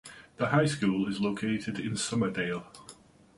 The high school is located in Somerdale.